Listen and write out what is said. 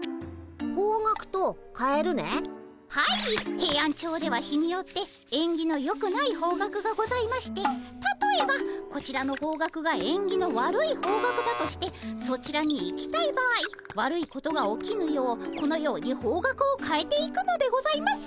ヘイアンチョウでは日によってえんぎのよくない方角がございましてたとえばこちらの方角がえんぎの悪い方角だとしてそちらに行きたい場合悪いことが起きぬようこのように方角を変えて行くのでございます。